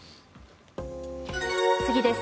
次です。